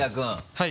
はい。